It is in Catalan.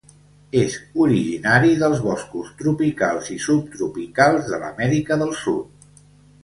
És originari dels boscos tropicals i subtropicals de l'Amèrica del Sud.